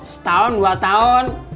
setahun dua tahun